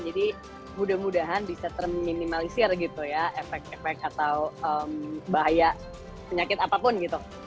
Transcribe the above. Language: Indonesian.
jadi mudah mudahan bisa terminimalisir gitu ya efek efek atau bahaya penyakit apapun gitu